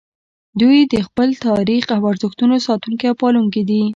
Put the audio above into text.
دوی د خپل تاریخ او ارزښتونو ساتونکي او پالونکي دي